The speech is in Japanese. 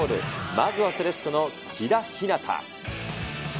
まずはセレッソの喜田陽。